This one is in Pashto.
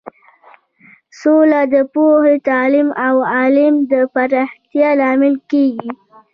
سوله د پوهې، تعلیم او علم د پراختیا لامل کیږي.